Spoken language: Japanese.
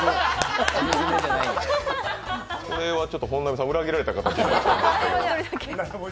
これは本並さん裏切られた感じで。